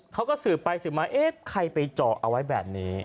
เขาก็สืบไปสืบมาเอ๊ะใครไปเจาะเอาไว้แบบนี้